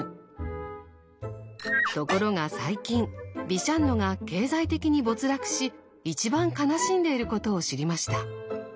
ところが最近ビシャンノが経済的に没落し一番悲しんでいることを知りました。